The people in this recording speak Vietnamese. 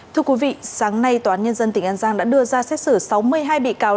thưa quý vị sáng nay tòa án nhân dân tỉnh an giang đã đưa ra xét xử sáu mươi hai bị cáo